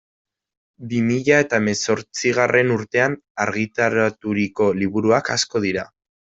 Bi mila eta hemezortzigarren urtean argitaraturiko liburuak asko dira.